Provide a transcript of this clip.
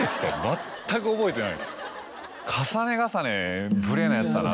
全く覚えてないです。